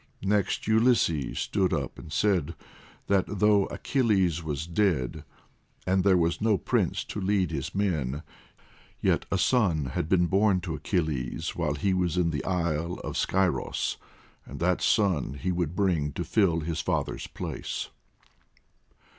Next Ulysses stood up and said that, though Achilles was dead, and there was no prince to lead his men, yet a son had been born to Achilles, while he was in the isle of Scyros, and that son he would bring to fill his father's place.